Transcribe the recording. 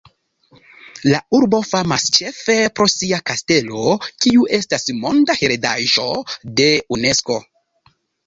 La urbo famas ĉefe pro sia kastelo, kiu estas monda heredaĵo de Unesko.